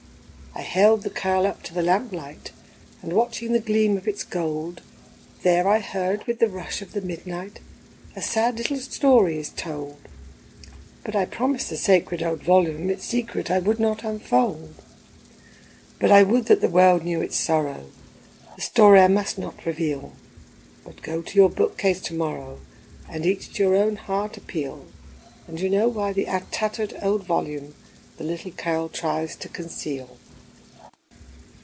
I held the curl up to the lamplight, And watching the gleam of its gold, There I heard with the rush of the midnight, A sad little story it told; But I promised the sacred old volume Its secret I would not unfold. But I would that the world knew its sorrow, The story I must not reveal; But go to your book case to morrow. And each to your own heart appeal; And you'll know why the tattered old volume The little curl tries to conceal.